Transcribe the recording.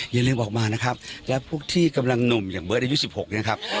อย่าลืมออกมานะครับและพวกที่กำลังหนุ่มอย่างเบิร์ตอายุ๑๖เนี่ยครับ